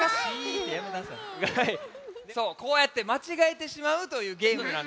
そうこうやってまちがえてしまうというゲームなんですよ。